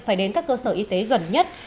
phải đến các cơ sở y tế gần nhất